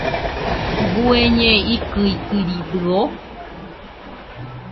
¿Bueñe ikɨikɨridɨo?